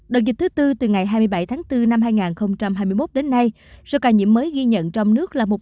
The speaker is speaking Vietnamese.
đợt dịch thứ tư từ ngày hai mươi bảy tháng bốn năm hai nghìn hai mươi một đến nay số ca nhiễm mới ghi nhận trong nước là một tám trăm chín mươi ba năm trăm bảy mươi ca